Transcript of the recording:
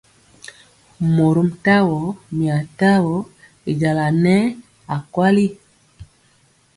Mɔrom tawo, mia tamɔ y jaŋa nɛɛ akweli.